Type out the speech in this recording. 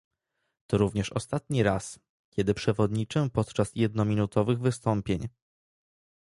To również ostatni raz, kiedy przewodniczę podczas jednominutowych wystąpień